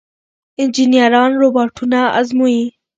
انجنیران روباټونه ازمويي.